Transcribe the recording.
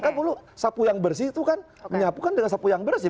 kan dulu sapu yang bersih itu kan menyapukan dengan sapu yang bersih